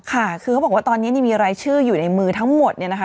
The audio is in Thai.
ค่ะคือเขาบอกว่าตอนนี้มีรายชื่ออยู่ในมือทั้งหมดเนี่ยนะคะ